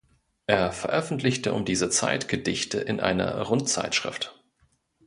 Er veröffentlichte um diese Zeit Gedichte in einer Rundzeitschrift.